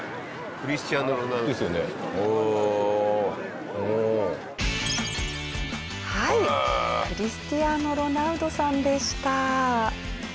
クリスティアーノ・ロナウドさんでした。